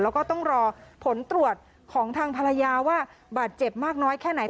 แล้วก็ต้องรอผลตรวจของทางภรรยาว่าบาดเจ็บมากน้อยแค่ไหน